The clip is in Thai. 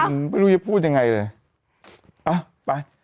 ไม่รู้จะพูดยังไงเลย